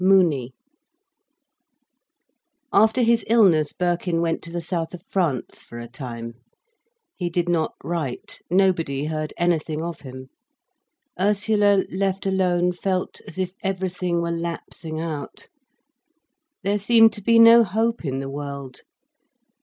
MOONY After his illness Birkin went to the south of France for a time. He did not write, nobody heard anything of him. Ursula, left alone, felt as if everything were lapsing out. There seemed to be no hope in the world.